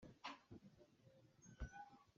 Inn thar sak an duh i an inn hlun an chimh.